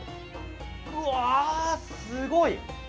うわー、すごい！